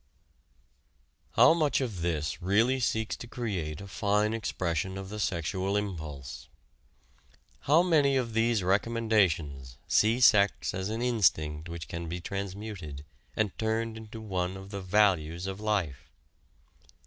How much of this really seeks to create a fine expression of the sexual impulse? How many of these recommendations see sex as an instinct which can be transmuted, and turned into one of the values of life?